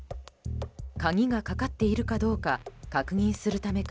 鍵がかかっているかどうか確認するためか